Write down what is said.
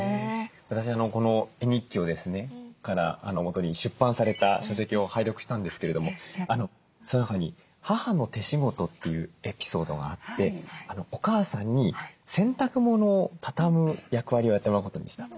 私この絵日記をですねもとに出版された書籍を拝読したんですけれどもその中に「母の手仕事」というエピソードがあっておかあさんに洗濯物を畳む役割をやってもらうことにしたと。